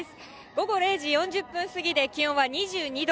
午後０時４０分過ぎで気温は２２度。